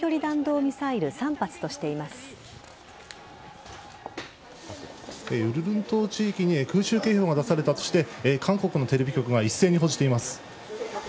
ウルルン島地域に空襲警報が出されたとして韓国のテレビ局が一斉に報じています。